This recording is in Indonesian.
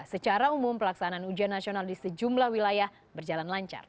secara umum pelaksanaan ujian nasional di sejumlah wilayah berjalan lancar